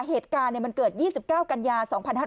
เหตุการณ์เนี่ยมันเกิด๒๙กัญญา๒๕๖๔